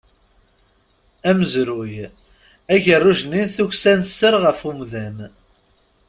Amezruy, agerruj-nni n tukksa n sser ɣef umdan.